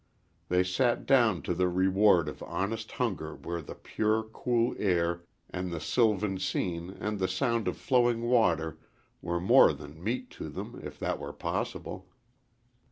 They sat down to the reward of honest hunger where the pure, cool air and the sylvan scene and the sound of flowing water were more than meat to them, if that were possible.